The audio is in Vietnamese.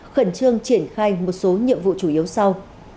khẩn trương triển khai một số nhiệm vụ chủ yếu sau